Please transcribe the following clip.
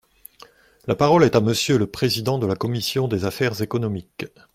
La parole est à Monsieur le président de la commission des affaires économiques.